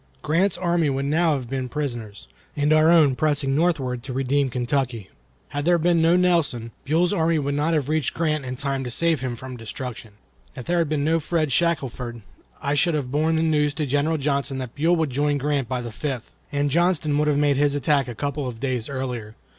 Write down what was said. Grant's army would now have been prisoners, Buell's in full flight, and our own pressing northward to redeem Kentucky. Had there been no Nelson, Buell's army would not have reached Grant in time to save him from destruction. If there had been no Fred Shackelford I should have borne the news to General Johnston that Buell would join Grant by the fifth, and Johnston would have made his attack a couple of days earlier.